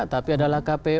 tapi adalah kpu